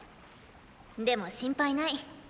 でも心配ない。